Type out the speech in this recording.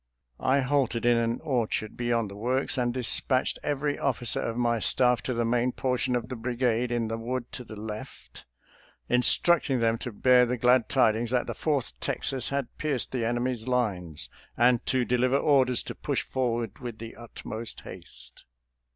I halted in an orchard beyond the works and dispatched every officer of my staff to the main portion of the brigade in the wood to the left, instructing them to bear the glad tidings that the Fourth Texas had pierced the enemy's lines, and to deliver orders to push forward with the utmost haste.